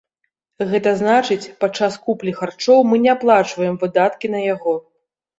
Гэта значыць, падчас куплі харчоў мы не аплачваем выдаткі на яго.